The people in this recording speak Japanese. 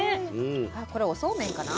あっこれおそうめんかな？